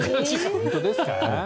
本当ですか？